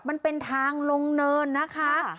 มันเป็นทางลงเนินนะคะ